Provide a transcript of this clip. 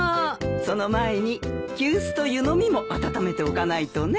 その前に急須と湯飲みも温めておかないとね。